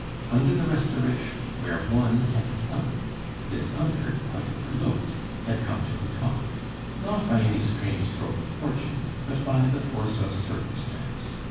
Under the Restoration, where one had sunk, this other, quite overlooked, had come to the top not by any strange stroke of fortune, but by the force of circumstance.